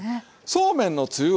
そうめんのつゆ。